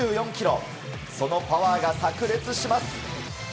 そのパワーが炸裂します。